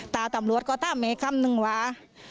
ตาตำรวจก็ถามแม่คำนึงว่า